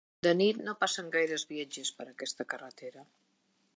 De nit no passen gaires viatgers per aquesta carretera.